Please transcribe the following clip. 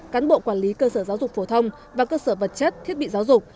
cán bộ quản lý cơ sở giáo dục phổ thông và cơ sở vật chất thiết bị giáo dục